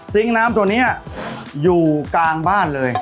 น้ำตัวนี้อยู่กลางบ้านเลย